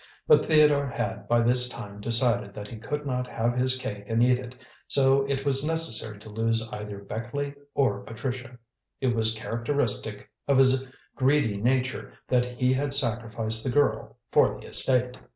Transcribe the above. But Theodore had by this time decided that he could not have his cake and eat it, so it was necessary to lose either Beckleigh or Patricia. It was characteristic of his greedy nature that he had sacrificed the girl for the estate.